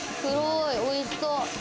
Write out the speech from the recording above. おいしそう。